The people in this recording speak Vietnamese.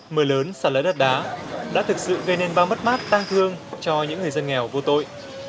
mưa lớn sả lỡ đất đá đã thực sự gây nên bao mất mát tăng thương cho những người dân nghèo vô tội